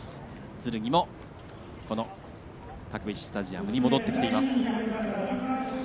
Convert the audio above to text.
つるぎも、たけびしスタジアムに戻ってきています。